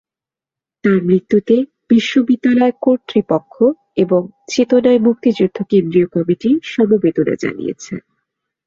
তাঁর মৃত্যুতে বিশ্ববিদ্যালয় কর্তৃপক্ষ এবং চেতনায় মুক্তিযুদ্ধ কেন্দ্রীয় কমিটি সমবেদনা জানিয়েছে।